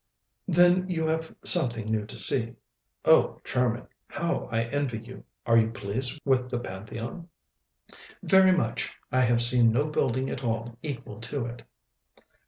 "Then you have something new to see; oh charming! how I envy you! Are you pleased with the Pantheon?" "Very much; I have seen no building at all equal to it."